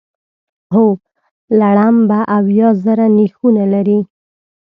هر لړم به اویا زره نېښونه لري.